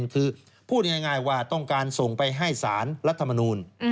คือพูดง่ายว่าต้องการส่งไปให้สารรัฐมนูล